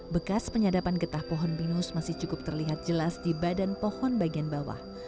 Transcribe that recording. bekas penyadapan getah pohon pinus masih cukup terlihat jelas di badan pohon bagian bawah